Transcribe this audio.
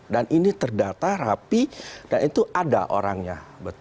dan ini terdata rapi dan itu ada orangnya